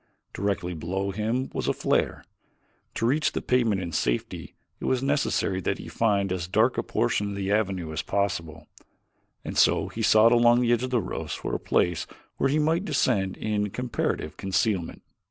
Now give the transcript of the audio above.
Directly below him was a flare. To reach the pavement in safety it was necessary that he find as dark a portion of the avenue as possible. And so he sought along the edge of the roofs for a place where he might descend in comparative concealment.